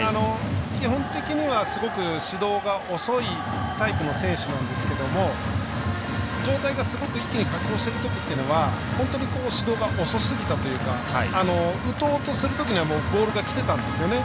基本的にはすごく始動が遅いタイプの選手なんですけど状態がすごく一気に下降してるときは本当に始動が遅すぎたというか打とうとしているときにはもうボールがきていたんですね。